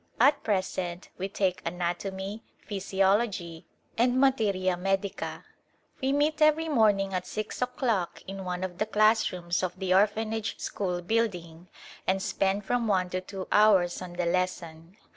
At present we take anatomy, physiology and materia medica. We meet every morning at six o'clock in one of the class rooms of the Orphanage school building and spend from one to two hours on the lesson.